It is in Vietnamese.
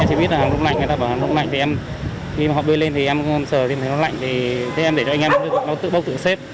em chỉ biết là hàng đông lạnh người ta bảo hàng đông lạnh